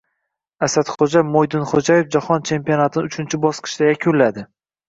Asadxo‘ja Mo‘ydinxo‘jayev jahon chempionatini uchinchi bosqichda yakunlading